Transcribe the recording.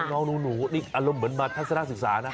น้องหนูอารมณ์เหมือนมาท่านสร้างศึกษานะ